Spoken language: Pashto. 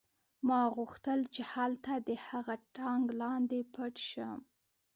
ما هم غوښتل چې هلته د هغه ټانک لاندې پټ شم